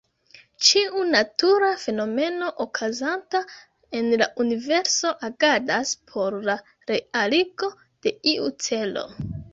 Ĉiu natura fenomeno okazanta en la universo agadas por la realigo de iu celo.